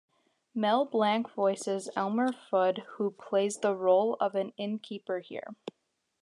Mel Blanc voices Elmer Fudd, who plays the role of an innkeeper here.